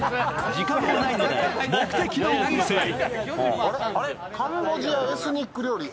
時間もないので目的のお店へ。